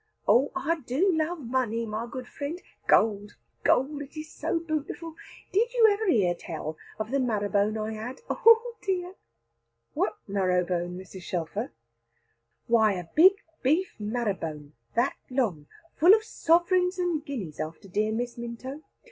"Oh, I do love money, my good friend; gold, gold, it is so bootiful. Did you ever hear tell of the marrow bone I had? Oh dear!" "What marrow bone, Mrs. Shelfer?" "Why a big beef marrow bone, that long, full of sovereigns and guineas after dear Miss Minto.